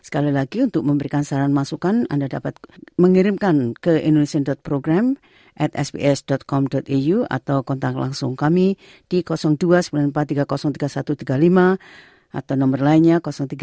program at sbs com au atau kontak langsung kami di dua sembilan puluh empat tiga ratus tiga ribu satu ratus tiga puluh lima atau nomor lainnya tiga sembilan ribu sembilan ratus empat puluh sembilan dua ribu dua ratus delapan